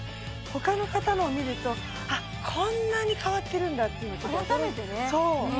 他の方のを見るとあっこんなに変わってるんだって今ちょっと驚いて改めてねそう！